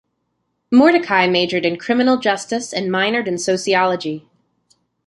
Mordecai majored in criminal justice and minored in sociology.